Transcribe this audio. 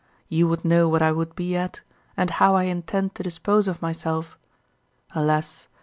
You would know what I would be at, and how I intend to dispose of myself. Alas!